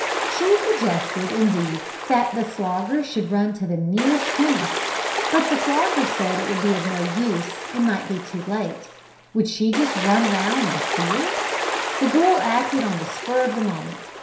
She suggested, indeed, that the Slogger should run to the nearest chemist, but the Slogger said it would be of no use, and might be too late. Would she just run round an' see her? The girl acted on the spur of the moment.